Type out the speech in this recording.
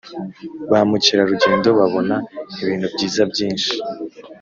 ba mukerarugendo babona ibintu byiza byinshi